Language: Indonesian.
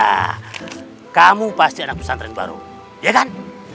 ah kamu pasti anak pesantren baru ya kan